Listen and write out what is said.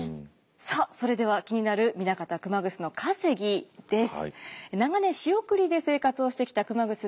さあそれでは気になる南方熊楠の稼ぎです。